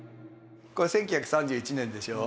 これ１９３１年でしょ。